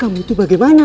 kamu tuh bagaimana